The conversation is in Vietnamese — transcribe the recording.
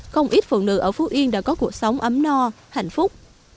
không ít phụ nữ ở phú yên đã có cuộc sống ấm no hạnh phúc